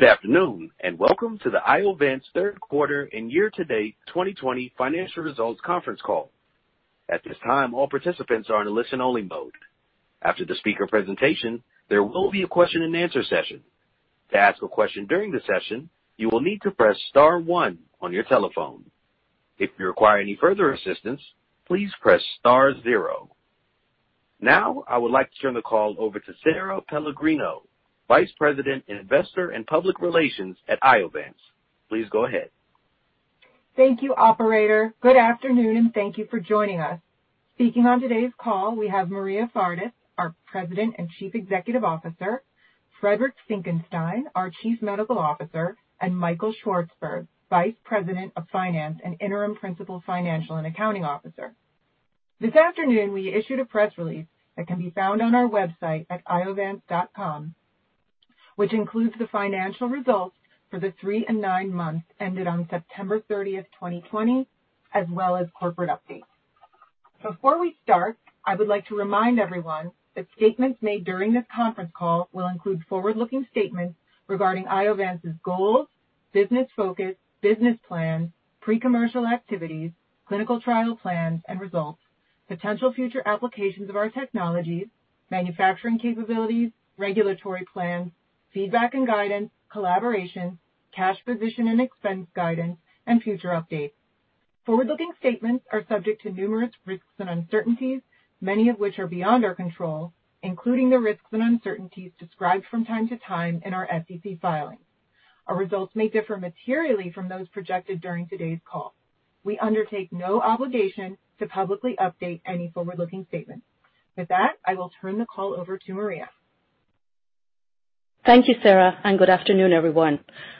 Good afternoon, welcome to the Iovance Third Quarter and Year-to-Date 2020 Financial Results Conference Call. Now, I would like to turn the call over to Sara Pellegrino, Vice President in Investor and Public Relations at Iovance. Please go ahead. Thank you, operator. Good afternoon, and thank you for joining us. Speaking on today's call, we have Maria Fardis, our President and Chief Executive Officer, Friedrich Finckenstein, our Chief Medical Officer, and Michael Swartzburg, Vice President of Finance and Interim Principal Financial and Accounting Officer. This afternoon we issued a press release that can be found on our website at iovance.com, which includes the financial results for the three and nine months ended on September 30th, 2020, as well as corporate updates. Before we start, I would like to remind everyone that statements made during this conference call will include forward-looking statements regarding Iovance's goals, business focus, business plans, pre-commercial activities, clinical trial plans and results, potential future applications of our technologies, manufacturing capabilities, regulatory plans, feedback and guidance, collaboration, cash position and expense guidance, and future updates. Forward-looking statements are subject to numerous risks and uncertainties, many of which are beyond our control, including the risks and uncertainties described from time to time in our SEC filings. Our results may differ materially from those projected during today's call. We undertake no obligation to publicly update any forward-looking statements. With that, I will turn the call over to Maria. Thank you, Sara, and good afternoon, everyone.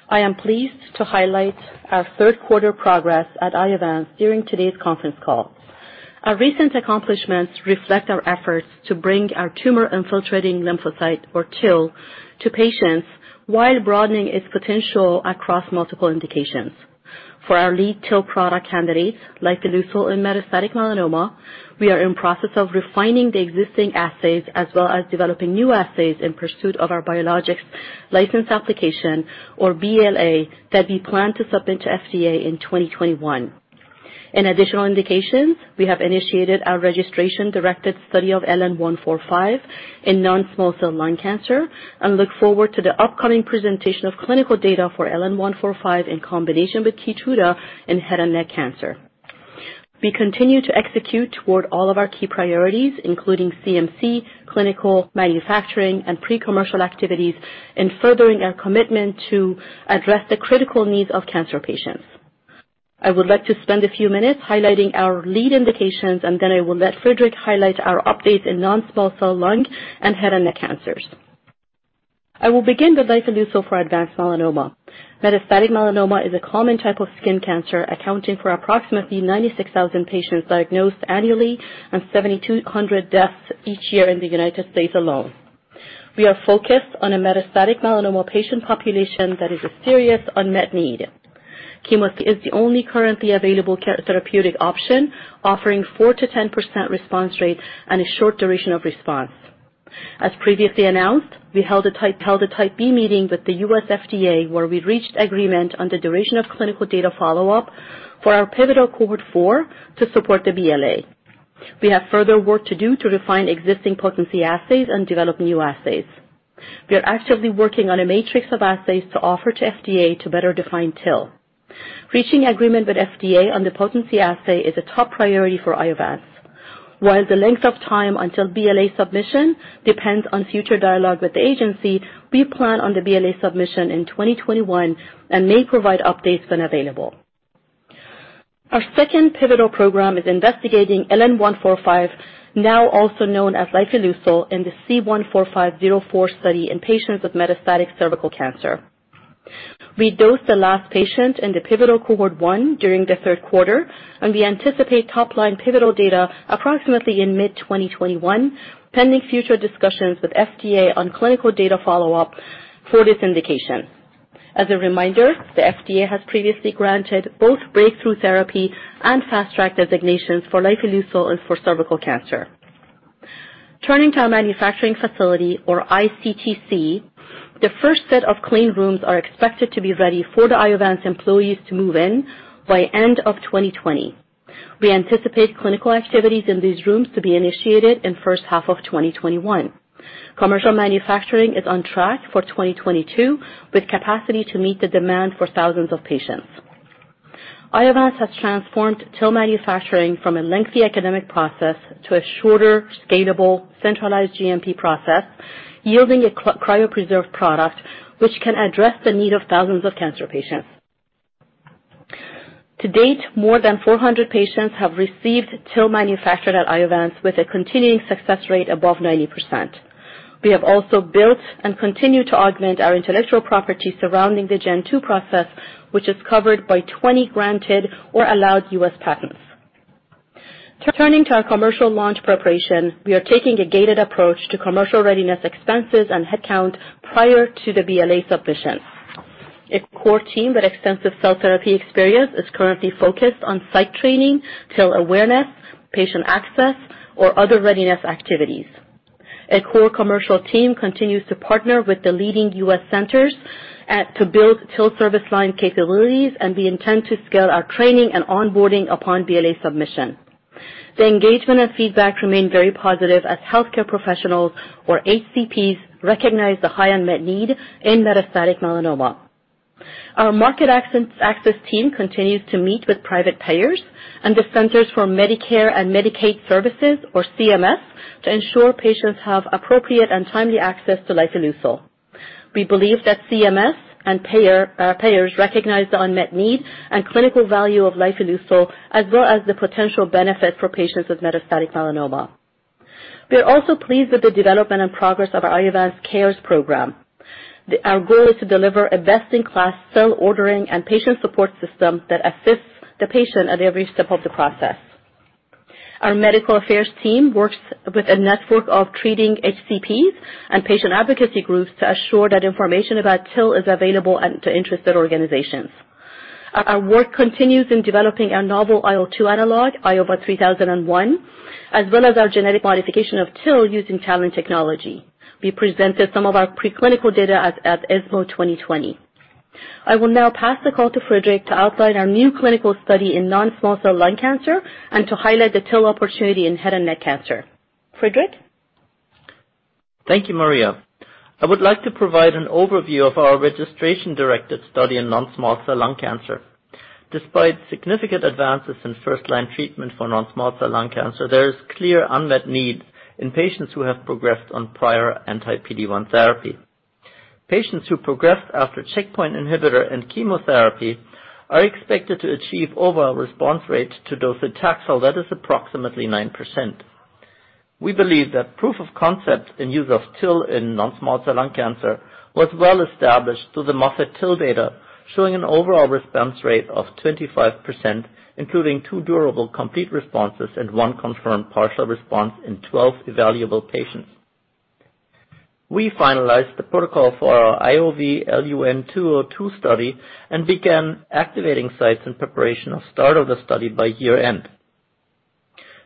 I am pleased to highlight our third quarter progress at Iovance during today's conference call. Our recent accomplishments reflect our efforts to bring our tumor-infiltrating lymphocyte, or TIL, to patients while broadening its potential across multiple indications. For our lead TIL product candidates, lifileucel in metastatic melanoma, we are in process of refining the existing assays as well as developing new assays in pursuit of our biologics license application, or BLA, that we plan to submit to FDA in 2021. In additional indications, we have initiated our registration-directed study of LN-145 in non-small cell lung cancer and look forward to the upcoming presentation of clinical data for LN-145 in combination with KEYTRUDA in head and neck cancer. We continue to execute toward all of our key priorities, including CMC, clinical, manufacturing, and pre-commercial activities in furthering our commitment to address the critical needs of cancer patients. I would like to spend a few minutes highlighting our lead indications. Then I will let Friedrich highlight our updates in non-small cell lung and head and neck cancers. I will begin with lifileucel for advanced melanoma. Metastatic melanoma is a common type of skin cancer, accounting for approximately 96,000 patients diagnosed annually and 7,200 deaths each year in the U.S. alone. We are focused on a metastatic melanoma patient population that is a serious unmet need. Chemo is the only currently available therapeutic option, offering 4%-10% response rates and a short duration of response. As previously announced, we held a Type B meeting with the U.S. FDA, where we reached agreement on the duration of clinical data follow-up for our pivotal Cohort 4 to support the BLA. We have further work to do to refine existing potency assays and develop new assays. We are actively working on a matrix of assays to offer to FDA to better define TIL. Reaching agreement with FDA on the potency assay is a top priority for Iovance. While the length of time until BLA submission depends on future dialogue with the agency, we plan on the BLA submission in 2021 and may provide updates when available. Our second pivotal program is investigating LN-145, now also known as lifileucel, in the C-145-04 study in patients with metastatic cervical cancer. We dosed the last patient in the pivotal Cohort 1 during the third quarter. We anticipate top-line pivotal data approximately in mid-2021, pending future discussions with FDA on clinical data follow-up for this indication. As a reminder, the FDA has previously granted both breakthrough therapy and Fast Track designations for lifileucel and for cervical cancer. Turning to our manufacturing facility or ICTC, the first set of clean rooms are expected to be ready for the Iovance employees to move in by end of 2020. We anticipate clinical activities in these rooms to be initiated in first half of 2021. Commercial manufacturing is on track for 2022, with capacity to meet the demand for thousands of patients. Iovance has transformed TIL manufacturing from a lengthy academic process to a shorter, scalable, centralized GMP process, yielding a cryopreserved product which can address the need of thousands of cancer patients. To date, more than 400 patients have received TIL manufactured at Iovance with a continuing success rate above 90%. We have also built and continue to augment our intellectual property surrounding the Gen 2 process, which is covered by 20 granted or allowed U.S. patents. Turning to our commercial launch preparation, we are taking a gated approach to commercial readiness expenses and headcount prior to the BLA submission. A core team with extensive cell therapy experience is currently focused on site training, TIL awareness, patient access, or other readiness activities. A core commercial team continues to partner with the leading U.S. centers to build TIL service line capabilities. We intend to scale our training and onboarding upon BLA submission. The engagement and feedback remain very positive as healthcare professionals, or HCPs, recognize the high unmet need in metastatic melanoma. Our market access team continues to meet with private payers and the Centers for Medicare & Medicaid Services, or CMS, to ensure patients have appropriate and timely access to lifileucel. We believe that CMS and payers recognize the unmet need and clinical value of lifileucel, as well as the potential benefit for patients with metastatic melanoma. We are also pleased with the development and progress of our Iovance Cares program. Our goal is to deliver a best-in-class cell ordering and patient support system that assists the patient at every step of the process. Our medical affairs team works with a network of treating HCPs and patient advocacy groups to assure that information about TIL is available to interested organizations. Our work continues in developing our novel IL-2 analog, IOVA-3001, as well as our genetic modification of TIL using TALEN technology. We presented some of our preclinical data at ESMO 2020. I will now pass the call to Frederich to outline our new clinical study in non-small cell lung cancer and to highlight the TIL opportunity in head and neck cancer. Frederich? Thank you, Maria. I would like to provide an overview of our registration-directed study in non-small cell lung cancer. Despite significant advances in first-line treatment for non-small cell lung cancer, there is clear unmet need in patients who have progressed on prior anti-PD-1 therapy. Patients who progressed after checkpoint inhibitor and chemotherapy are expected to achieve overall response rate to docetaxel that is approximately 9%. We believe that proof of concept in use of TIL in non-small cell lung cancer was well established through the Moffitt TIL data, showing an overall response rate of 25%, including two durable complete responses and one confirmed partial response in 12 evaluable patients. We finalized the protocol for our IOV-LUN-202 study and began activating sites in preparation of start of the study by year-end.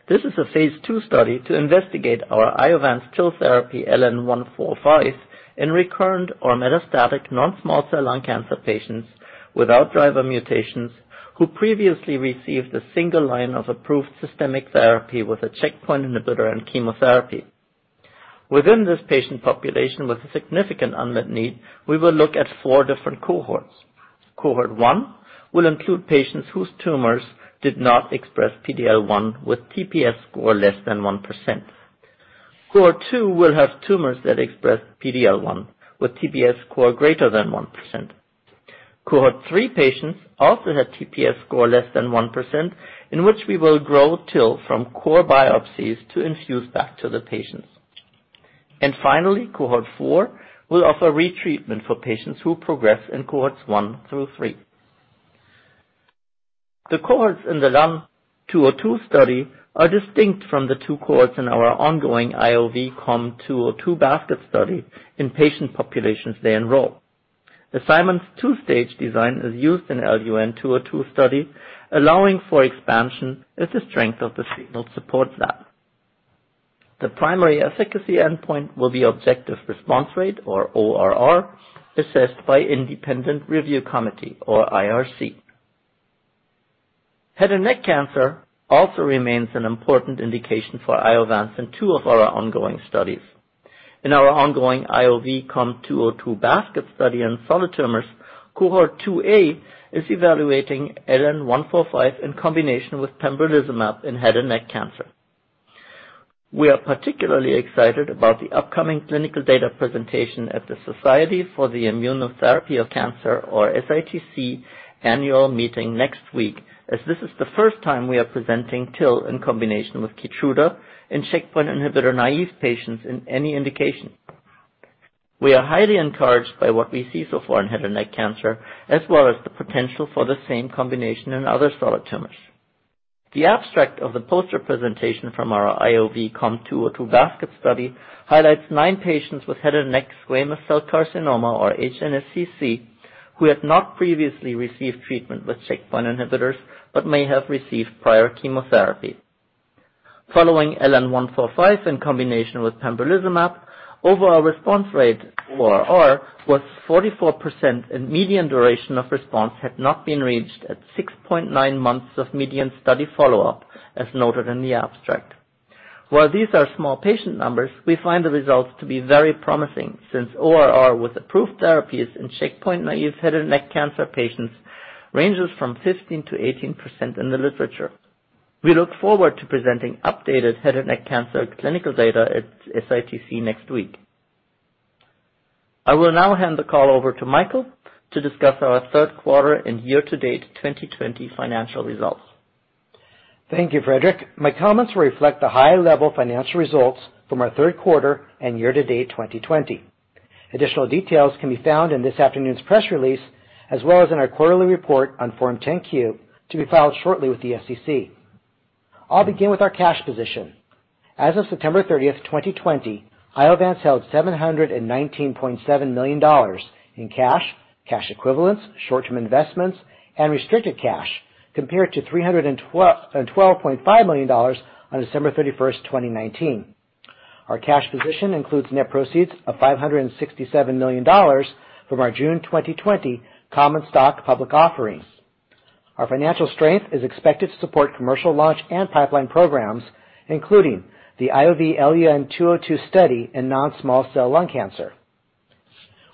This is a phase II study to investigate our Iovance TIL therapy, LN-145, in recurrent or metastatic non-small cell lung cancer patients without driver mutations who previously received a single line of approved systemic therapy with a checkpoint inhibitor and chemotherapy. Within this patient population with a significant unmet need, we will look at four different cohorts. Cohort 1 will include patients whose tumors did not express PD-L1 with TPS score less than 1%. Cohort 2 will have tumors that express PD-L1 with TPS score greater than 1%. Cohort 3 patients also have TPS score less than 1%, in which we will grow TIL from core biopsies to infuse back to the patients. Finally, Cohort 4 will offer retreatment for patients who progress in cohorts one through three. The cohorts in the IOV-LUN-202 study are distinct from the two cohorts in our ongoing IOV-COM-202 basket study in patient populations they enroll. The Simon's 2-stage design is used in IOV-LUN-202 study, allowing for expansion if the strength of the signal supports that. The primary efficacy endpoint will be objective response rate, or ORR, assessed by independent review committee, or IRC. Head and neck cancer also remains an important indication for Iovance in two of our ongoing studies. In our ongoing IOV-COM-202 basket study in solid tumors, Cohort 2A is evaluating LN-145 in combination with pembrolizumab in head and neck cancer. We are particularly excited about the upcoming clinical data presentation at the Society for the Immunotherapy of Cancer, or SITC, annual meeting next week, as this is the first time we are presenting TIL in combination with KEYTRUDA in checkpoint inhibitor-naïve patients in any indication. We are highly encouraged by what we see so far in head and neck cancer, as well as the potential for the same combination in other solid tumors. The abstract of the poster presentation from our IOV-COM-202 basket study highlights nine patients with head and neck squamous cell carcinoma, or HNSCC, who had not previously received treatment with checkpoint inhibitors but may have received prior chemotherapy. Following LN-145 in combination with pembrolizumab, overall response rate, ORR, was 44%, and median duration of response had not been reached at 6.9 months of median study follow-up, as noted in the abstract. While these are small patient numbers, we find the results to be very promising since ORR with approved therapies in checkpoint-naïve head and neck cancer patients ranges from 15%-18% in the literature. We look forward to presenting updated head and neck cancer clinical data at SITC next week. I will now hand the call over to Michael to discuss our third quarter and year-to-date 2020 financial results. Thank you, Friedrich. My comments will reflect the high-level financial results from our third quarter and year-to-date 2020. Additional details can be found in this afternoon's press release, as well as in our quarterly report on Form 10-Q to be filed shortly with the SEC. I'll begin with our cash position. As of September 30th, 2020, Iovance held $719.7 million in cash equivalents, short-term investments, and restricted cash, compared to $312.5 million on December 31st, 2019. Our cash position includes net proceeds of $567 million from our June 2020 common stock public offering. Our financial strength is expected to support commercial launch and pipeline programs, including the IOV-LUN-202 study in non-small cell lung cancer.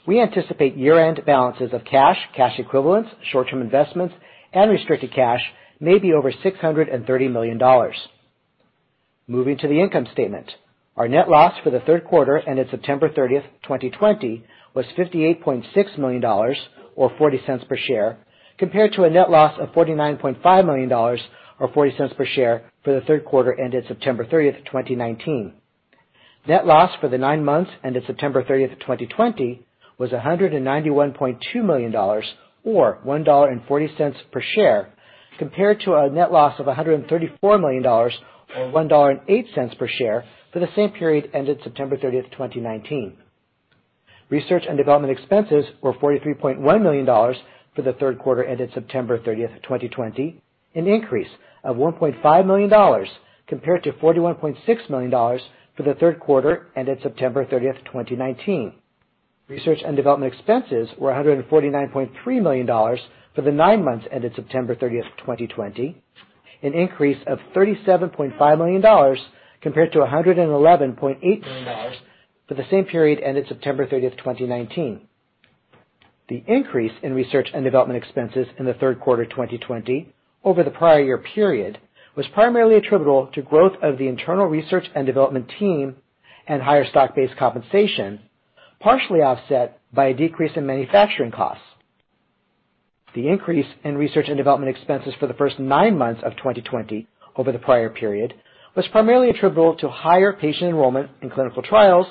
We anticipate year-end balances of cash equivalents, short-term investments, and restricted cash maybe over $630 million. Moving to the income statement. Our net loss for the third quarter ended September 30th, 2020, was $58.6 million, or $0.40 per share, compared to a net loss of $49.5 million or $0.40 per share for the third quarter ended September 30th, 2019. Net loss for the nine months ended September 30th, 2020, was $191.2 million or $1.40 per share, compared to a net loss of $134 million or $1.08 per share for the same period ended September 30th, 2019. Research and development expenses were $43.1 million for the third quarter ended September 30th, 2020, an increase of $1.5 million compared to $41.6 million for the third quarter ended September 30th, 2019. Research and development expenses were $149.3 million for the nine months ended September 30th, 2020, an increase of $37.5 million compared to $111.8 million for the same period ended September 30th, 2019. The increase in research and development expenses in the third quarter 2020 over the prior year period was primarily attributable to growth of the internal research and development team and higher stock-based compensation, partially offset by a decrease in manufacturing costs. The increase in research and development expenses for the first nine months of 2020 over the prior period was primarily attributable to higher patient enrollment in clinical trials,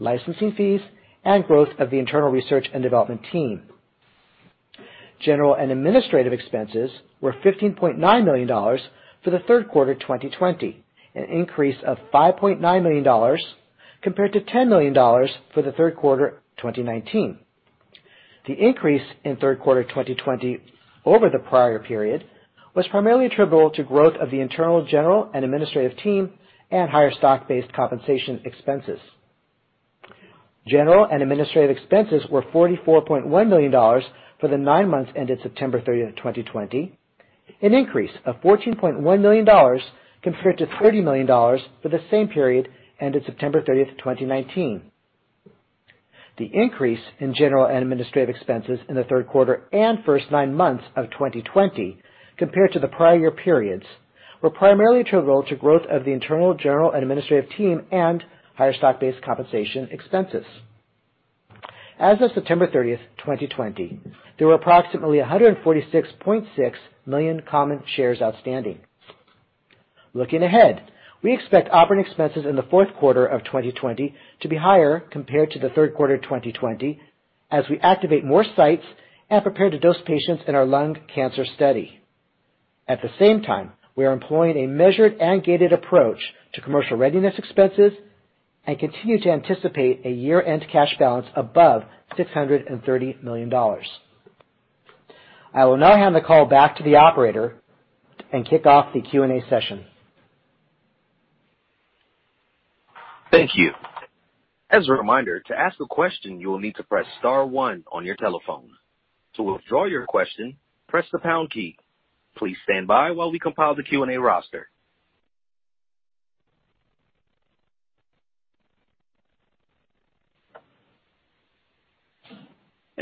licensing fees, and growth of the internal research and development team. General and administrative expenses were $15.9 million for the third quarter 2020, an increase of $5.9 million compared to $10 million for the third quarter 2019. The increase in third quarter 2020 over the prior period was primarily attributable to growth of the internal general and administrative team and higher stock-based compensation expenses. General and administrative expenses were $44.1 million for the nine months ended September 30th, 2020, an increase of $14.1 million compared to $30 million for the same period ended September 30th, 2019. The increase in general and administrative expenses in the third quarter and first nine months of 2020 compared to the prior year periods were primarily attributable to growth of the internal general and administrative team and higher stock-based compensation expenses. As of September 30th, 2020, there were approximately 146.6 million common shares outstanding. Looking ahead, we expect operating expenses in the fourth quarter of 2020 to be higher compared to the third quarter 2020, as we activate more sites and prepare to dose patients in our lung cancer study. At the same time, we are employing a measured and gated approach to commercial readiness expenses and continue to anticipate a year-end cash balance above $630 million. I will now hand the call back to the operator and kick off the Q&A session. Thank you. As a reminder, to ask a question, you will need to press star one on your telephone. To withdraw your question, press the pound key. Please stand by while we compile the Q&A roster.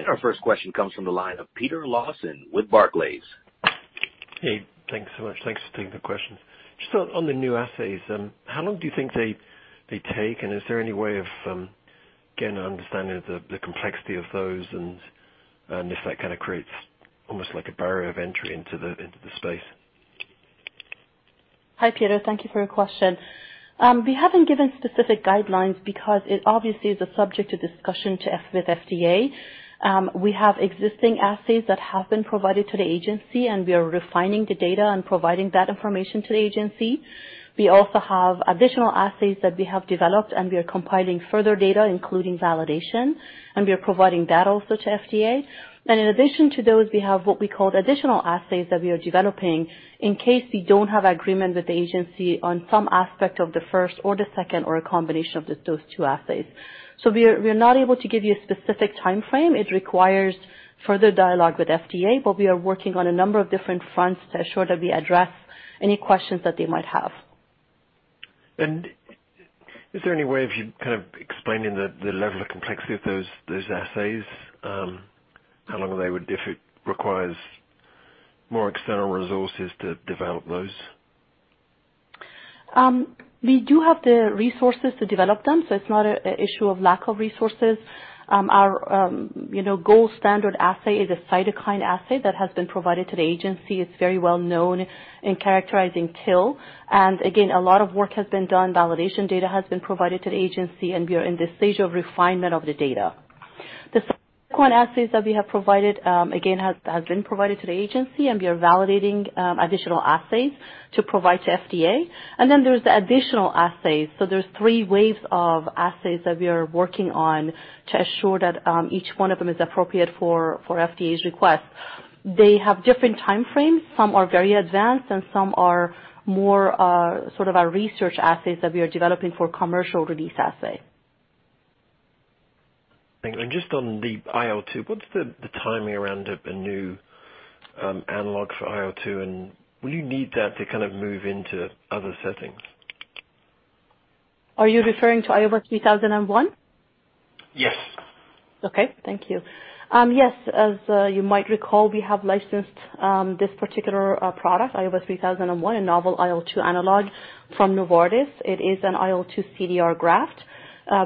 Our first question comes from the line of Peter Lawson with Barclays. Hey, thanks so much. Thanks for taking the questions. Just on the new assays, how long do you think they take, and is there any way of getting an understanding of the complexity of those and if that kind of creates almost like a barrier of entry into the space? Hi, Peter. Thank you for your question. We haven't given specific guidelines because it obviously is a subject of discussion with FDA. We have existing assays that have been provided to the agency, and we are refining the data and providing that information to the agency. We also have additional assays that we have developed, and we are compiling further data, including validation, and we are providing that also to FDA. In addition to those, we have what we call additional assays that we are developing in case we don't have agreement with the agency on some aspect of the first or the second or a combination of those two assays. We're not able to give you a specific timeframe. It requires further dialogue with FDA, but we are working on a number of different fronts to ensure that we address any questions that they might have. Is there any way of you kind of explaining the level of complexity of those assays? How long if it requires more external resources to develop those? We do have the resources to develop them, so it's not an issue of lack of resources. Our gold standard assay is a cytokine assay that has been provided to the agency. It's very well known in characterizing TIL. Again, a lot of work has been done. Validation data has been provided to the agency, and we are in the stage of refinement of the data. The cytokine assays that we have provided, again, has been provided to the agency, and we are validating additional assays to provide to FDA. There's the additional assays. There's three waves of assays that we are working on to ensure that each one of them is appropriate for FDA's request. They have different time frames. Some are very advanced, and some are more our research assays that we are developing for commercial release assay. Thank you. Just on the IL-2, what's the timing around a new analog for IL-2? Will you need that to move into other settings? Are you referring to IOVA-3001? Yes. Okay. Thank you. Yes, as you might recall, we have licensed this particular product, IOVA-3001, a novel IL-2 analog from Novartis. It is an IL-2 CDR graft,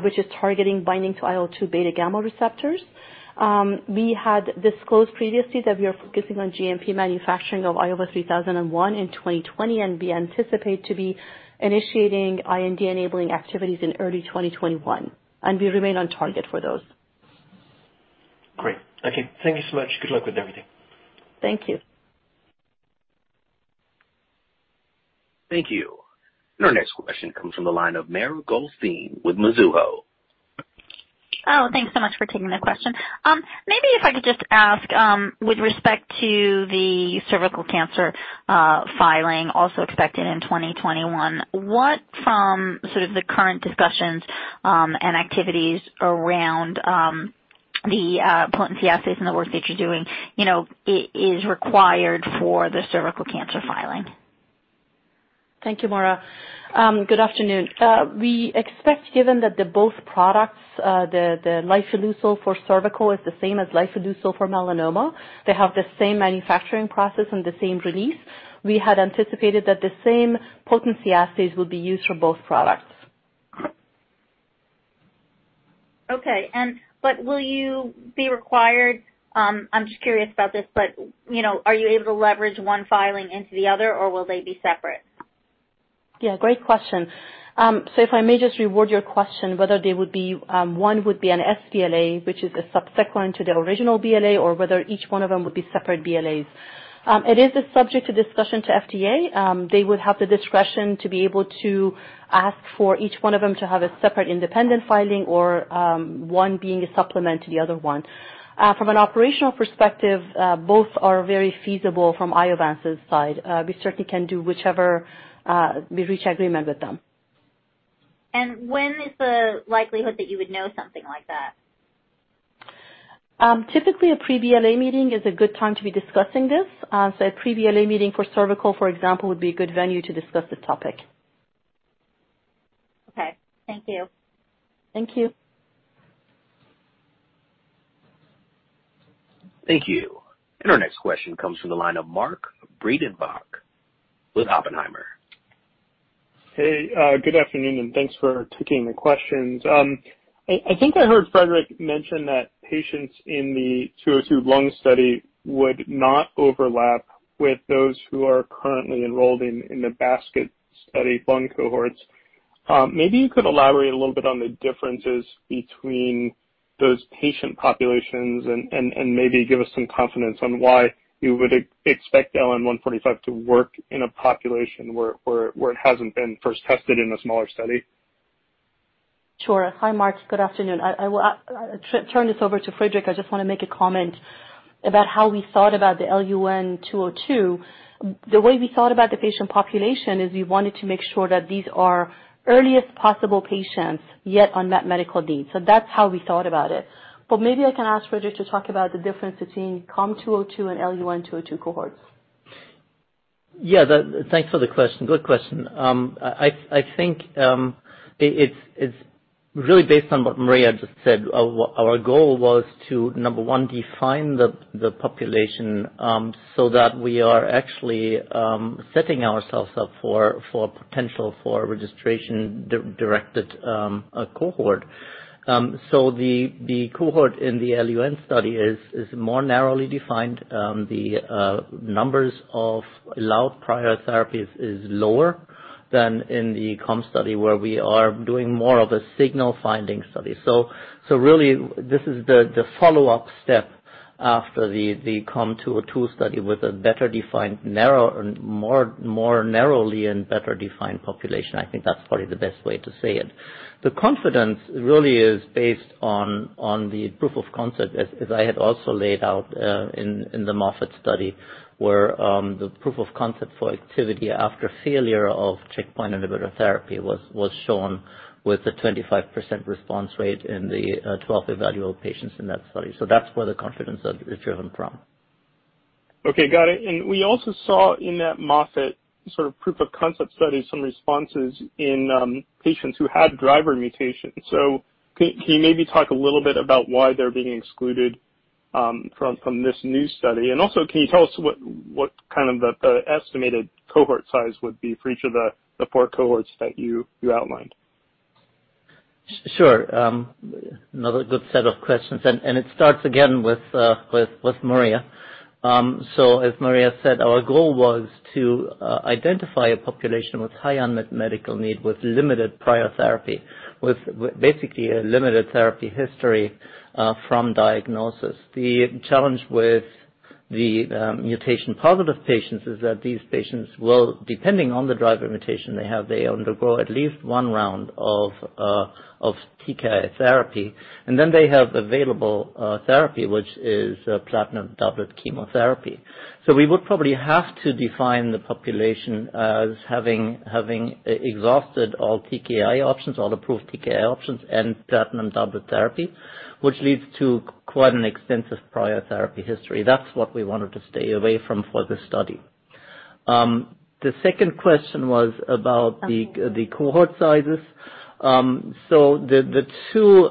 which is targeting binding to IL-2 beta gamma receptors. We had disclosed previously that we are focusing on GMP manufacturing of IOVA-3001 in 2020, we anticipate to be initiating IND-enabling activities in early 2021. We remain on target for those. Great. Okay. Thank you so much. Good luck with everything. Thank you. Thank you. Our next question comes from the line of Mara Goldstein with Mizuho. Thanks so much for taking the question. Maybe if I could just ask, with respect to the cervical cancer filing also expected in 2021, what from the current discussions, and activities around, the potency assays and the work that you're doing, is required for the cervical cancer filing? Thank you, Mara. Good afternoon. We expect, given that both products, the lifileucel for cervical is the same as lifileucel for melanoma. They have the same manufacturing process and the same release. We had anticipated that the same potency assays would be used for both products. Okay. Will you be required, I'm just curious about this, but are you able to leverage one filing into the other, or will they be separate? Yeah, great question. If I may just reword your question, whether they would be, one would be an sBLA, which is a subsequent to the original BLA, or whether each one of them would be separate BLAs. It is a subject to discussion to FDA. They would have the discretion to be able to ask for each one of them to have a separate independent filing or one being a supplement to the other one. From an operational perspective, both are very feasible from Iovance's side. We certainly can do whichever we reach agreement with them. When is the likelihood that you would know something like that? Typically, a pre-BLA meeting is a good time to be discussing this. A pre-BLA meeting for cervical, for example, would be a good venue to discuss this topic. Okay. Thank you. Thank you. Thank you. Our next question comes from the line of Mark Breidenbach with Oppenheimer. Hey, good afternoon, thanks for taking the questions. I think I heard Frederich mention that patients in the 202 lung study would not overlap with those who are currently enrolled in the basket study lung cohorts. Maybe you could elaborate a little bit on the differences between those patient populations and maybe give us some confidence on why you would expect LN-145 to work in a population where it hasn't been first tested in a smaller study. Sure. Hi, Mark. Good afternoon. I will turn this over to Frederich. I just want to make a comment about how we thought about the LUN 202. The way we thought about the patient population is we wanted to make sure that these are earliest possible patients, yet unmet medical needs. That's how we thought about it. Maybe I can ask Frederich to talk about the difference between COM 202 and LUN 202 cohorts. Yeah. Thanks for the question. Good question. I think, it's really based on what Maria just said. Our goal was to, number one, define the population, so that we are actually setting ourselves up for potential for registration-directed cohort. The cohort in the LUN study is more narrowly defined. The numbers of allowed prior therapies is lower than in the COM study, where we are doing more of a signal finding study. Really, this is the follow-up step after the COM 202 study with a better defined, more narrowly and better defined population. I think that's probably the best way to say it. The confidence really is based on the proof of concept, as I had also laid out, in the Moffitt study, where the proof of concept for activity after failure of checkpoint inhibitor therapy was shown with a 25% response rate in the 12 evaluable patients in that study. That's where the confidence is driven from. Okay, got it. We also saw in that Moffitt sort of proof of concept study some responses in patients who had driver mutations. Can you maybe talk a little bit about why they're being excluded from this new study? Also, can you tell us what kind of the estimated cohort size would be for each of the four cohorts that you outlined? Sure. Another good set of questions. It starts again with Maria. As Maria said, our goal was to identify a population with high unmet medical need, with limited prior therapy, with basically a limited therapy history from diagnosis. The challenge with the mutation-positive patients is that these patients will, depending on the driver mutation they have, they undergo at least one round of TKI therapy. Then they have available therapy, which is platinum doublet chemotherapy. We would probably have to define the population as having exhausted all TKI options, all approved TKI options, and platinum doublet therapy, which leads to quite an extensive prior therapy history. That's what we wanted to stay away from for this study. The second question was about the cohort sizes. The two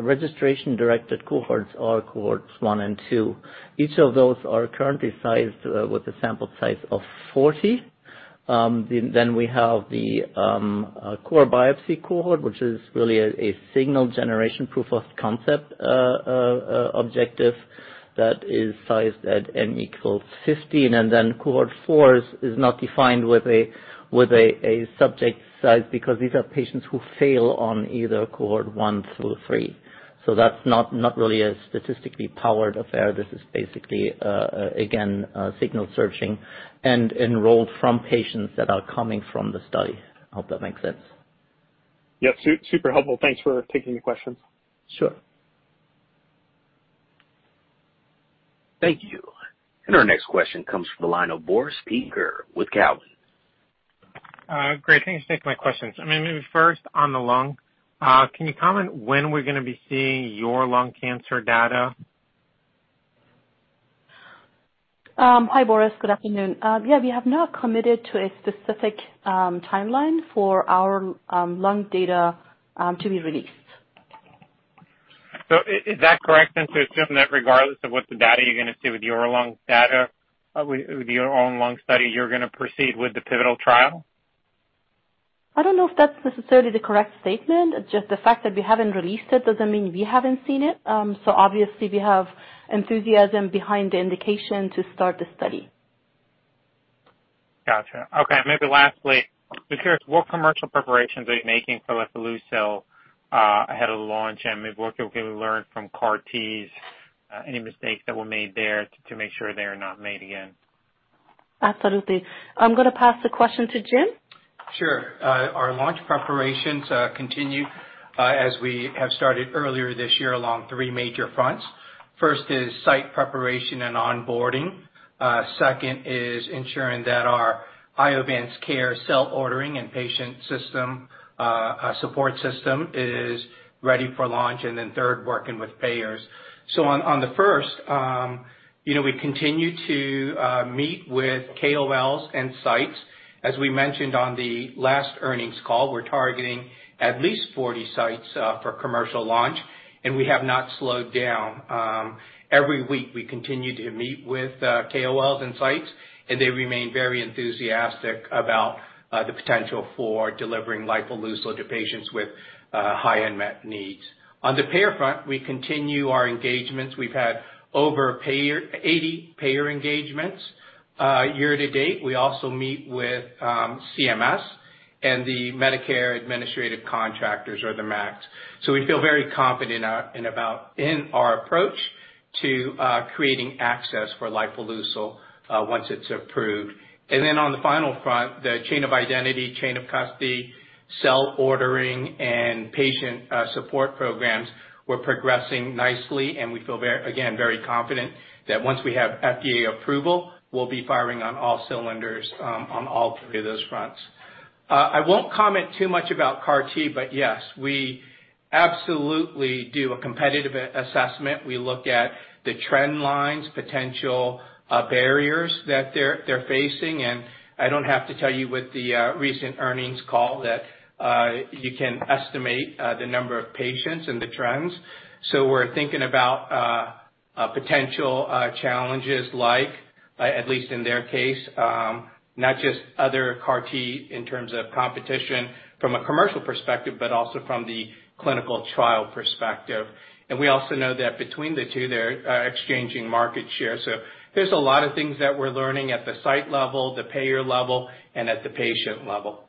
registration-directed cohorts are Cohorts 1 and 2. Each of those are currently sized with a sample size of 40. We have the core biopsy cohort, which is really a signal generation proof of concept objective that is sized at N equals 15. Cohort 4 is not defined with a subject size because these are patients who fail on either cohort 1 through 3. That's not really a statistically powered affair. This is basically, again, signal searching and enrolled from patients that are coming from the study. I hope that makes sense. Yeah, super helpful. Thanks for taking the questions. Sure. Thank you. Our next question comes from the line of Boris Peaker with Cowen. Great. Thanks for taking my questions. Maybe first on the lung. Can you comment when we're going to be seeing your lung cancer data? Hi, Boris. Good afternoon. Yeah, we have not committed to a specific timeline for our lung data to be released. Is that correct then to assume that regardless of what the data you're going to see with your own lung study, you're going to proceed with the pivotal trial? I don't know if that's necessarily the correct statement. Just the fact that we haven't released it doesn't mean we haven't seen it. Obviously we have enthusiasm behind the indication to start the study. Got you. Okay, maybe lastly, just curious, what commercial preparations are you making for lifileucel ahead of the launch? Maybe what you learned from CAR Ts, any mistakes that were made there to make sure they are not made again? Absolutely. I'm going to pass the question to Jim. Sure. Our launch preparations continue as we have started earlier this year along three major fronts. First is site preparation and onboarding. Second is ensuring that our Iovance Cares cell ordering and patient support system is ready for launch. Third, working with payers. On the first, we continue to meet with KOLs and sites. As we mentioned on the last earnings call, we're targeting at least 40 sites for commercial launch, and we have not slowed down. Every week we continue to meet with KOLs and sites, and they remain very enthusiastic about the potential for delivering lifileucel to patients with high unmet needs. On the payer front, we continue our engagements. We've had over 80 payer engagements year to date. We also meet with CMS and the Medicare Administrative Contractors or the MACs. We feel very confident in our approach to creating access for lifileucel once it's approved. On the final front, the chain of identity, chain of custody, cell ordering, and patient support programs, we're progressing nicely, and we feel, again, very confident that once we have FDA approval, we'll be firing on all cylinders on all three of those fronts. I won't comment too much about CAR T, but yes, we absolutely do a competitive assessment. We look at the trend lines, potential barriers that they're facing, and I don't have to tell you with the recent earnings call that you can estimate the number of patients and the trends. We're thinking about potential challenges like, at least in their case, not just other CAR T in terms of competition from a commercial perspective, but also from the clinical trial perspective. We also know that between the two, they're exchanging market share. There's a lot of things that we're learning at the site level, the payer level, and at the patient level.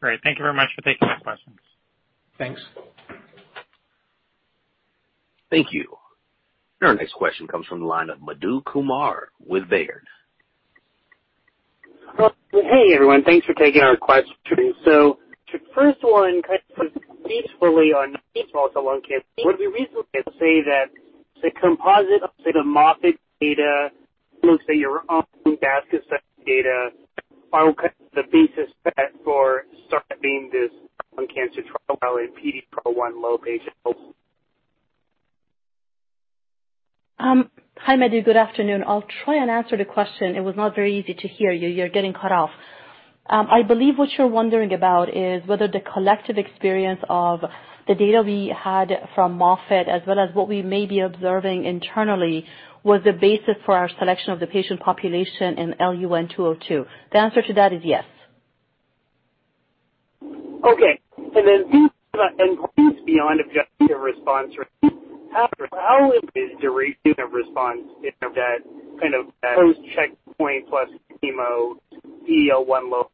Great. Thank you very much for taking the questions. Thanks. Thank you. Our next question comes from the line of Madhu Kumar with Baird. Hey, everyone. Thanks for taking our questions. The first one kind of briefly on small cell lung cancer, would we reasonably say that the composite of the Moffitt data, let's say your own basket study data, are the basis for starting this lung cancer trial in PD-L1 low patients? Hi, Madhu. Good afternoon. I'll try and answer the question. It was not very easy to hear you. You're getting cut off. I believe what you're wondering about is whether the collective experience of the data we had from Moffitt, as well as what we may be observing internally, was the basis for our selection of the patient population in LUN202. The answer to that is yes. Okay. Beyond objective response rate, how is duration of response in that kind of close checkpoint plus chemo PD-L1 look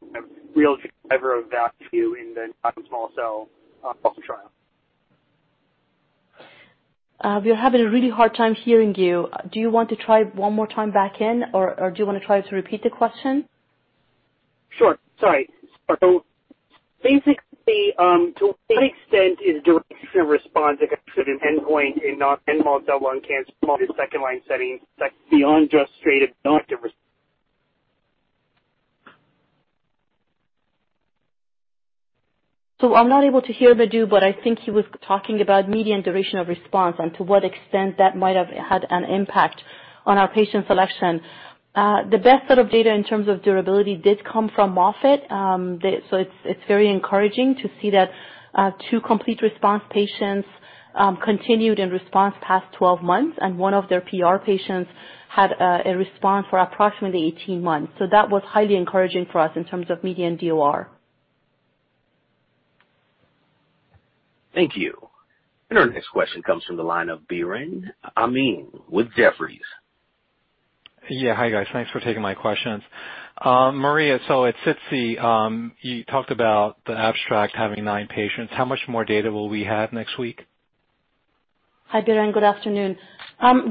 real driver of value in the non-small cell trial? We're having a really hard time hearing you. Do you want to try one more time back in, or do you want to try to repeat the question? Sure. Sorry. Basically, to what extent is duration of response against an endpoint in non-small cell lung cancer, second-line setting, beyond just straight objective response? I'm not able to hear Madhu, but I think he was talking about median duration of response and to what extent that might have had an impact on our patient selection. The best set of data in terms of durability did come from Moffitt. It's very encouraging to see that two complete response patients continued in response past 12 months, and one of their PR patients had a response for approximately 18 months. That was highly encouraging for us in terms of median DOR. Thank you. Our next question comes from the line of Biren Amin with Jefferies. Yeah. Hi, guys. Thanks for taking my questions. Maria, at SITC, you talked about the abstract having nine patients. How much more data will we have next week? Hi, Biren. Good afternoon.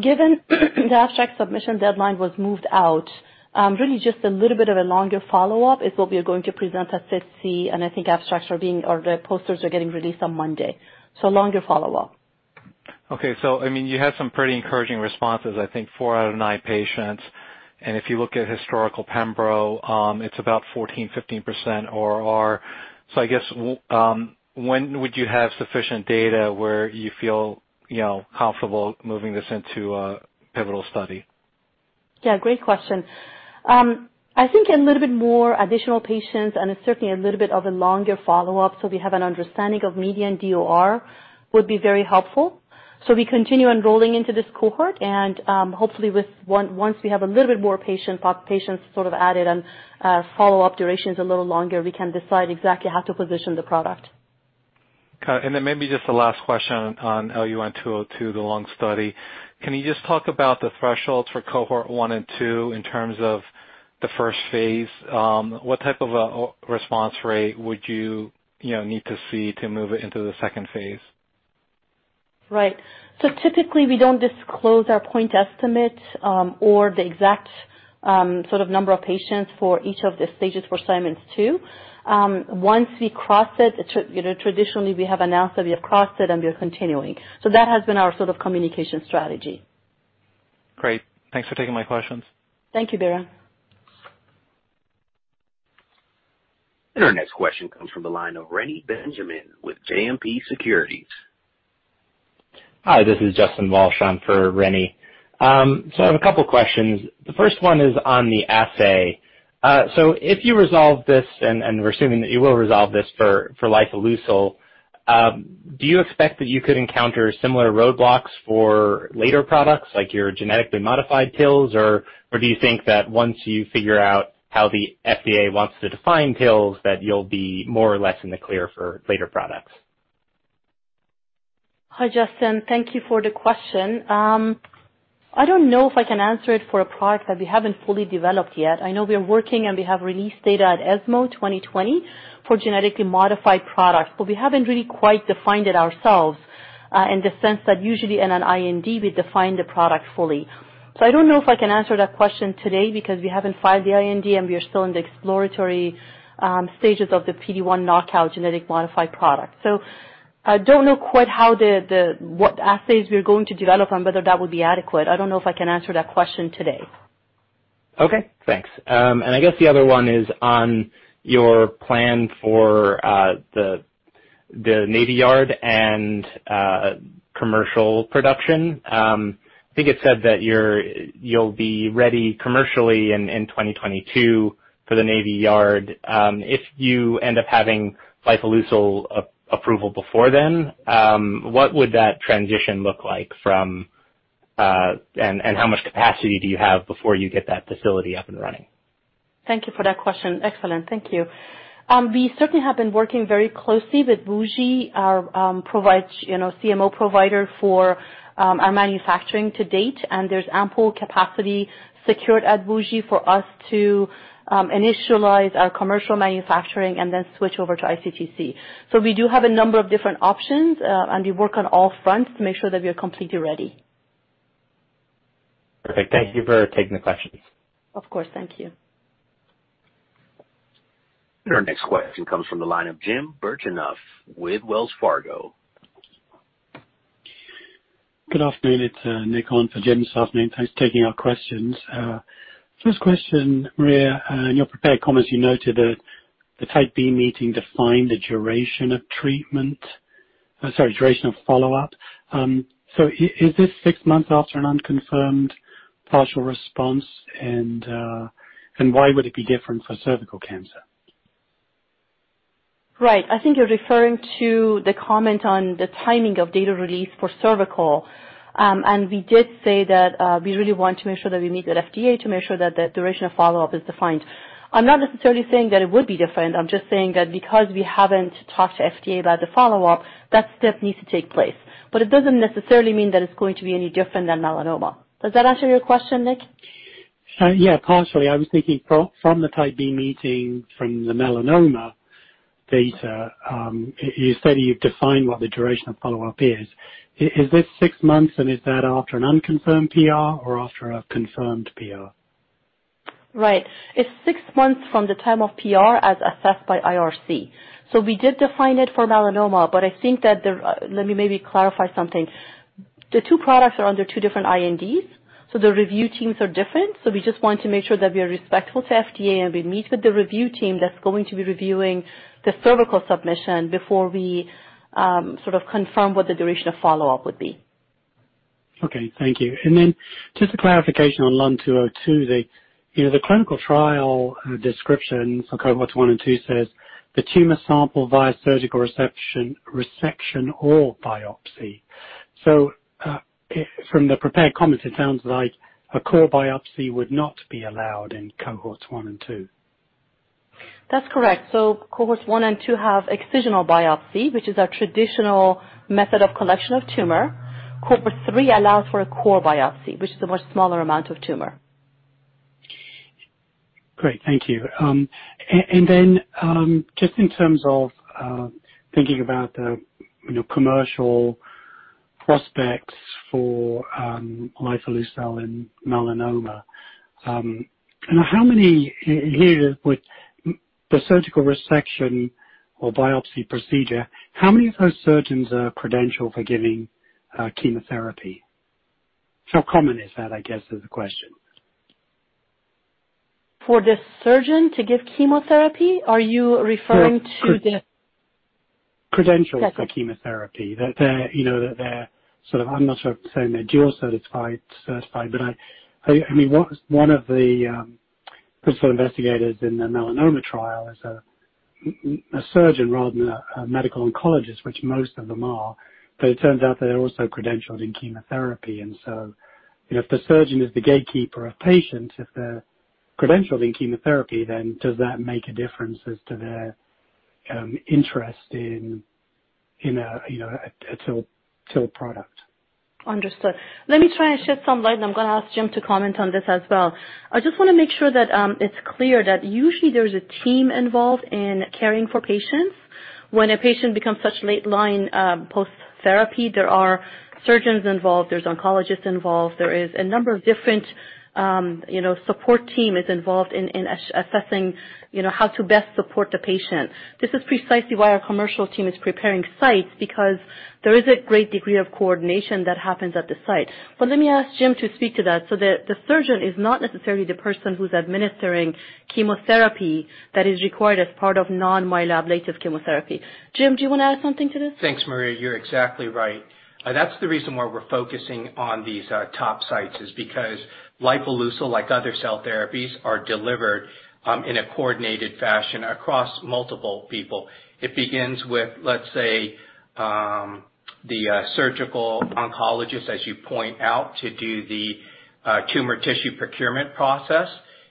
Given the abstract submission deadline was moved out, really just a little bit of a longer follow-up is what we are going to present at SITC, and I think abstracts are being, or the posters are getting released on Monday. Longer follow-up. Okay. You had some pretty encouraging responses, I think four out of nine patients, and if you look at historical pembro, it's about 14%, 15% RR. I guess, when would you have sufficient data where you feel comfortable moving this into a pivotal study? Yeah, great question. I think a little bit more additional patients and certainly a little bit of a longer follow-up so we have an understanding of median DOR would be very helpful. We continue enrolling into this cohort and, hopefully, once we have a little bit more patients sort of added and follow-up duration's a little longer, we can decide exactly how to position the product. Got it. Maybe just the last question on LUN202, the lung study. Can you just talk about the thresholds for Cohort 1 and 2 in terms of the first phase? What type of a response rate would you need to see to move it into the second phase? Right. Typically, we don't disclose our point estimates, or the exact sort of number of patients for each of the stages for Simons 2. Once we cross it, traditionally, we have announced that we have crossed it, and we are continuing. That has been our sort of communication strategy. Great. Thanks for taking my questions. Thank you, Biren. Our next question comes from the line of Reni Benjamin with JMP Securities. Hi, this is Justin Walsh. I'm for Reni. I have a couple questions. The first one is on the assay. If you resolve this, and we're assuming that you will resolve this for lifileucel, do you expect that you could encounter similar roadblocks for later products, like your genetically modified TILs? Do you think that once you figure out how the FDA wants to define TILs, that you'll be more or less in the clear for later products? Hi, Justin. Thank you for the question. I don't know if I can answer it for a product that we haven't fully developed yet. I know we are working, and we have released data at ESMO 2020 for genetically modified products, but we haven't really quite defined it ourselves, in the sense that usually in an IND, we define the product fully. I don't know if I can answer that question today because we haven't filed the IND, and we are still in the exploratory stages of the PD-1 knockout genetic modified product. I don't know quite what assays we are going to develop and whether that would be adequate. I don't know if I can answer that question today. Okay, thanks. I guess the other one is on your plan for the Navy Yard and commercial production. I think it said that you'll be ready commercially in 2022 for the Navy Yard. If you end up having lifileucel approval before then, what would that transition look like from, and how much capacity do you have before you get that facility up and running? Thank you for that question. Excellent. Thank you. We certainly have been working very closely with WuXi, our CMO provider for our manufacturing to date, and there's ample capacity secured at WuXi for us to initialize our commercial manufacturing and then switch over to ICTC. We do have a number of different options, and we work on all fronts to make sure that we are completely ready. Perfect. Thank you for taking the questions. Of course. Thank you. Our next question comes from the line of Jim Birchenough with Wells Fargo. Good afternoon. It's Nick on for Jim this afternoon. Thanks for taking our questions. First question, Maria, in your prepared comments, you noted that the Type B meeting defined the duration of treatment, sorry, duration of follow-up. Is this six months after an unconfirmed partial response? Why would it be different for cervical cancer? Right. I think you're referring to the comment on the timing of data release for cervical. We did say that we really want to make sure that we meet with FDA to make sure that the duration of follow-up is defined. I'm not necessarily saying that it would be different. I'm just saying that because we haven't talked to FDA about the follow-up, that step needs to take place. It doesn't necessarily mean that it's going to be any different than melanoma. Does that answer your question, Nick? Yeah, partially. I was thinking from the Type B meeting from the melanoma data, you said you've defined what the duration of follow-up is. Is this six months, and is that after an unconfirmed PR or after a confirmed PR? Right. It's six months from the time of PR as assessed by IRC. We did define it for melanoma, but I think that, let me maybe clarify something. The two products are under two different INDs, so the review teams are different. We just want to make sure that we are respectful to FDA, and we meet with the review team that's going to be reviewing the cervical submission before we sort of confirm what the duration of follow-up would be. Okay, thank you. Just a clarification on LUN-202. The clinical trial description for Cohorts 1 and 2 says, "The tumor sample via surgical resection or biopsy." From the prepared comments, it sounds like a core biopsy would not be allowed in Cohorts 1 and 2. That's correct. Cohorts 1 and 2 have incisional biopsy, which is a traditional method of collection of tumor. Cohort 3 allows for a core biopsy, which is a much smaller amount of tumor. Great. Thank you. Just in terms of thinking about the commercial prospects for lifileucel in melanoma. With the surgical resection or biopsy procedure, how many of those surgeons are credentialed for giving chemotherapy? How common is that, I guess, is the question. For the surgeon to give chemotherapy? Are you referring to the- Credentialed for chemotherapy. They're sort of, I'm not saying they're dual certified, but one of the principal investigators in the melanoma trial is a surgeon rather than a medical oncologist, which most of them are, but it turns out they're also credentialed in chemotherapy. If the surgeon is the gatekeeper of patients, if they're credentialed in chemotherapy, then does that make a difference as to their interest in a TIL product? Understood. Let me try and shed some light, and I'm going to ask Jim to comment on this as well. I just want to make sure that it's clear that usually there's a team involved in caring for patients. When a patient becomes such late line post-therapy, there are surgeons involved, there's oncologists involved, there is a number of different support team is involved in assessing how to best support the patient. This is precisely why our commercial team is preparing sites, because there is a great degree of coordination that happens at the site. Let me ask Jim to speak to that. The surgeon is not necessarily the person who's administering chemotherapy that is required as part of non-myeloablative chemotherapy. Jim, do you want to add something to this? Thanks, Maria. You're exactly right. That's the reason why we're focusing on these top sites is because lifileucel, like other cell therapies, are delivered in a coordinated fashion across multiple people. It begins with, let's say, the surgical oncologist, as you point out, to do the tumor tissue procurement process.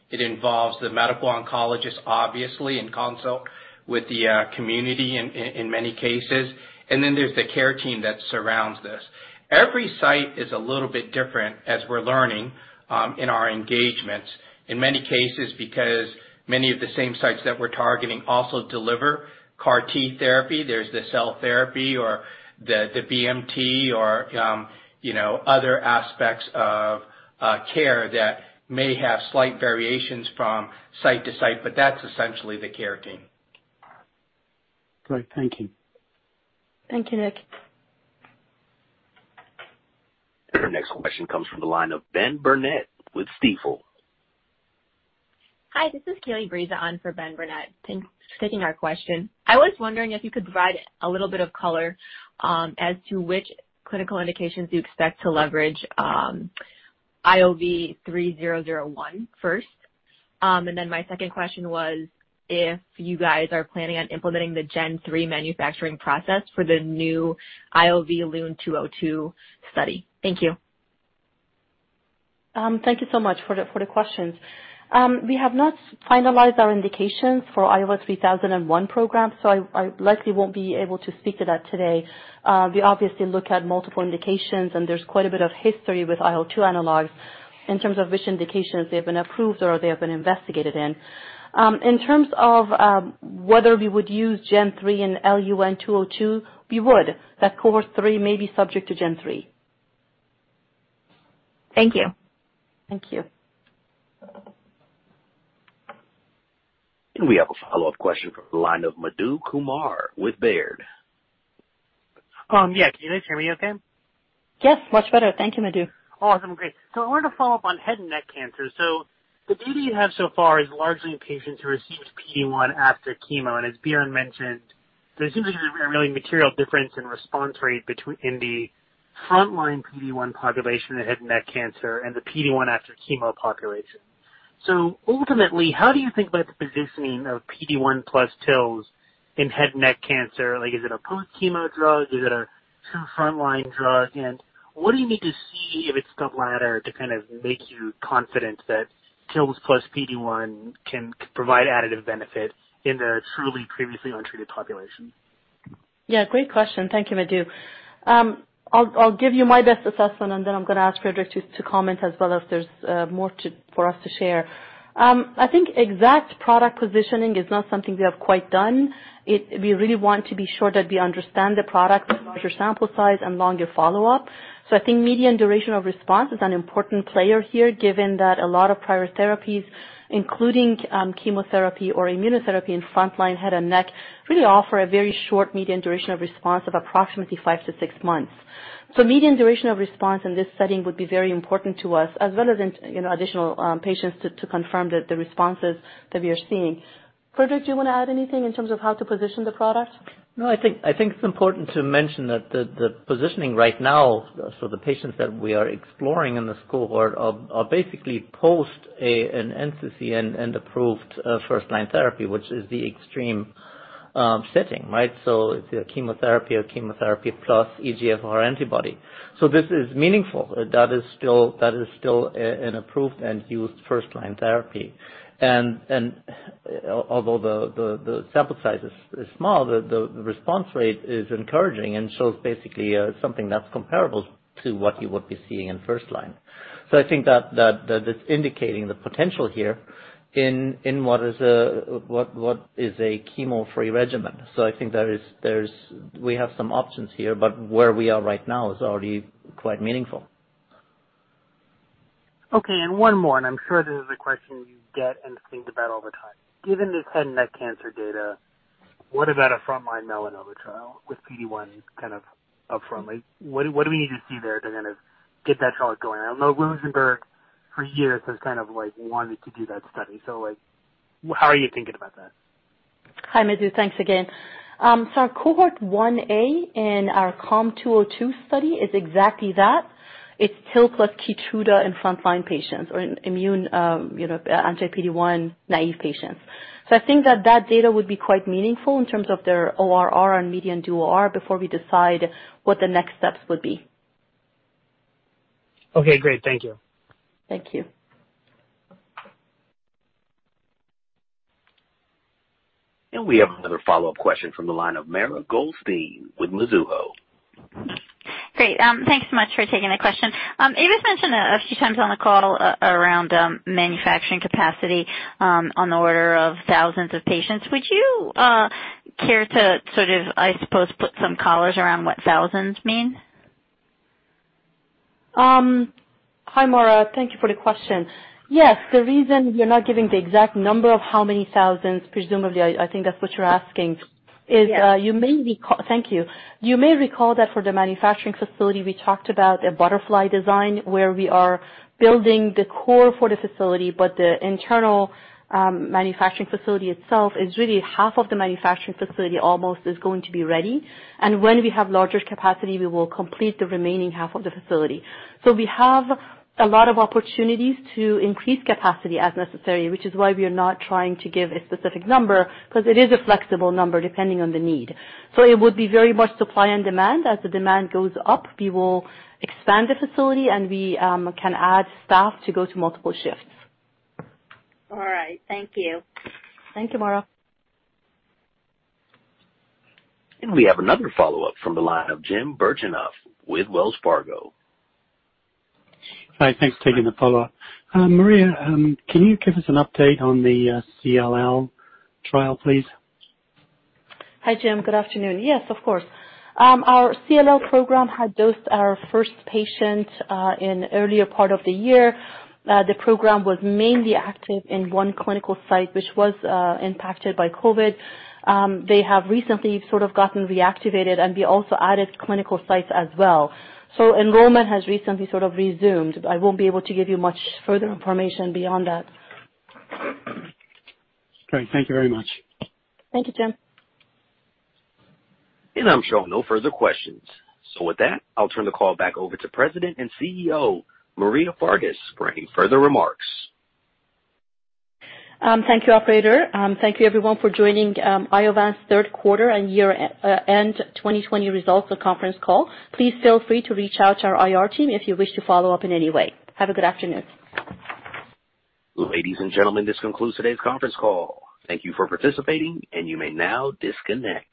It involves the medical oncologist, obviously, in consult with the community in many cases. There's the care team that surrounds this. Every site is a little bit different as we're learning in our engagements, in many cases, because many of the same sites that we're targeting also deliver CAR T therapy. There's the cell therapy or the BMT or other aspects of care that may have slight variations from site to site, but that's essentially the care team. Great. Thank you. Thank you, Nick. Our next question comes from the line of Benjamin Burnett with Stifel. Hi, this is Kailie Briza on for Benjamin Burnett. Thanks for taking our question. I was wondering if you could provide a little bit of color as to which clinical indications you expect to leverage IOV-3001 first. My second question was if you guys are planning on implementing the Gen 3 manufacturing process for the new IOV-LUN-202 study. Thank you. Thank you so much for the questions. We have not finalized our indications for IOV-3001 program. I likely won't be able to speak to that today. We obviously look at multiple indications. There's quite a bit of history with IL-2 analogs in terms of which indications they have been approved or they have been investigated in. In terms of whether we would use Gen 3 in IOV-LUN-202, we would. That Cohort 3 may be subject to Gen 3. Thank you. Thank you. We have a follow-up question from the line of Madhu Kumar with Baird. Yeah. Can you guys hear me okay? Yes, much better. Thank you, Madhu. Awesome. Great. I wanted to follow up on head and neck cancer. The data you have so far is largely in patients who received PD-1 after chemo. As Biren mentioned, there seems to be a really material difference in response rate in the frontline PD-1 population in head neck cancer and the PD-1 after chemo population. Ultimately, how do you think about the positioning of PD-1 plus TILs in head neck cancer? Is it a post-chemo drug? Is it a true frontline drug? What do you need to see if it's the latter to kind of make you confident that TILs plus PD-1 can provide additive benefit in the truly previously untreated population? Yeah, great question. Thank you, Madhu. I'll give you my best assessment, and then I'm going to ask Friedrich to comment as well if there's more for us to share. I think exact product positioning is not something we have quite done. We really want to be sure that we understand the product with larger sample size and longer follow-up. I think median duration of response is an important player here, given that a lot of prior therapies, including chemotherapy or immunotherapy in frontline head and neck, really offer a very short median duration of response of approximately five to six months. Median duration of response in this setting would be very important to us, as well as additional patients to confirm the responses that we are seeing. Friedrich, do you want to add anything in terms of how to position the product? No, I think it's important to mention that the positioning right now, so the patients that we are exploring in this cohort are basically post an entity and approved first-line therapy, which is the extreme setting, right? It's chemotherapy or chemotherapy plus EGFR antibody. This is meaningful. That is still an approved and used first-line therapy. Although the sample size is small, the response rate is encouraging and shows basically something that's comparable to what you would be seeing in first line. I think that's indicating the potential here in what is a chemo-free regimen. I think we have some options here, but where we are right now is already quite meaningful. Okay. One more, and I'm sure this is a question you get and think about all the time. Given this head neck cancer data, what about a front-line melanoma trial with PD-1 kind of upfront? What do we need to see there to kind of get that trial going? I know Rosenberg for years has kind of wanted to do that study. How are you thinking about that? Hi, Madhu. Thanks again. Our Cohort 1A in our COM 202 study is exactly that. It's TIL plus KEYTRUDA in front line patients or immune, anti-PD-1 naive patients. I think that data would be quite meaningful in terms of their ORR and median DOR before we decide what the next steps would be. Okay, great. Thank you. Thank you. We have another follow-up question from the line of Mara Goldstein with Mizuho. Great. Thanks so much for taking the question. Iva's mentioned a few times on the call around manufacturing capacity on the order of thousands of patients. Would you care to sort of, I suppose, put some collars around what thousands mean? Hi, Mara. Thank you for the question. Yes, the reason we're not giving the exact number of how many thousands, presumably, I think that's what you're asking, is. Yes. Thank you. You may recall that for the manufacturing facility, we talked about a butterfly design where we are building the core for the facility, but the internal manufacturing facility itself is really half of the manufacturing facility almost is going to be ready. When we have larger capacity, we will complete the remaining half of the facility. We have a lot of opportunities to increase capacity as necessary, which is why we are not trying to give a specific number, because it is a flexible number depending on the need. It would be very much supply and demand. As the demand goes up, we will expand the facility, and we can add staff to go to multiple shifts. All right. Thank you. Thank you, Mara. We have another follow-up from the line of Jim Birchenough with Wells Fargo. Hi. Thanks for taking the follow-up. Maria, can you give us an update on the CLL trial, please? Hi, Jim. Good afternoon. Yes, of course. Our CLL program had dosed our first patient in earlier part of the year. The program was mainly active in one clinical site, which was impacted by COVID. They have recently sort of gotten reactivated, and we also added clinical sites as well. Enrollment has recently sort of resumed. I won't be able to give you much further information beyond that. Great. Thank you very much. Thank you, Jim. I'm showing no further questions. With that, I'll turn the call back over to President and CEO, Maria Fardis, for any further remarks. Thank you, operator. Thank you everyone for joining Iovance Third Quarter and Year-End 2020 Results Conference Call. Please feel free to reach out to our IR team if you wish to follow up in any way. Have a good afternoon. Ladies and gentlemen, this concludes today's conference call. Thank you for participating, and you may now disconnect.